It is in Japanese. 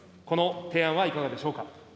この提案はいかがでしょうか。